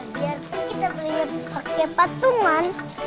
biar kita belinya pakai patungan